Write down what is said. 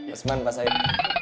usman pak said